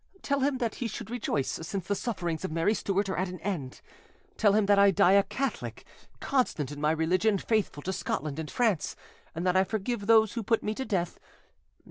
Tell him that he should rejoice, since the sufferings of Mary Stuart are at an end; tell him that I die a Catholic, constant in my religion, faithful to Scotland and France, and that I forgive those who put me to death.